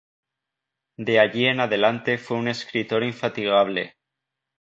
De allí en adelante fue un escritor infatigable.